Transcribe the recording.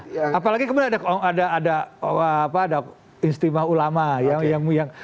iya apalagi kemudian ada ada ada apa ada istimewa ulama yang yang yang